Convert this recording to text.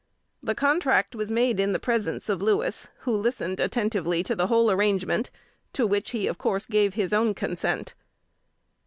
The contract was made in the presence of Louis, who listened attentively to the whole arrangement, to which he of course gave his own consent.